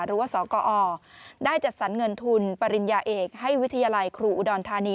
หรือว่าสกอได้จัดสรรเงินทุนปริญญาเอกให้วิทยาลัยครูอุดรธานี